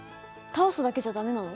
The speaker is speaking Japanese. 倒すだけじゃ駄目なの？